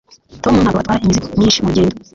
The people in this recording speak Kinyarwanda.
Tom ntabwo atwara imizigo myinshi murugendo